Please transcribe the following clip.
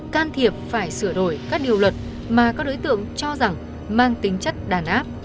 can thiệp phải sửa đổi các điều luật mà các đối tượng cho rằng mang tính chất đàn áp